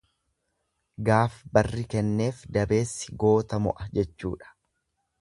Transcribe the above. Gaaf barri kenneef dabeessi goota mo'a jechuudha.